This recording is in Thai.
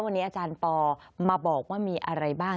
วันนี้อาจารย์ปอมาบอกว่ามีอะไรบ้าง